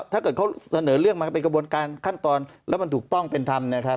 ถ้าเกิดเขาเสนอเรื่องมาเป็นกระบวนการขั้นตอนแล้วมันถูกต้องเป็นธรรมนะครับ